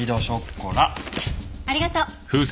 ありがとう。